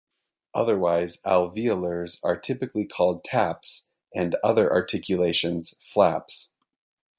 Otherwise alveolars are typically called "taps", and other articulations "flaps".